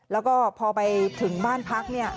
แล้วก็พอไปถึงบ้านพักเนี่ย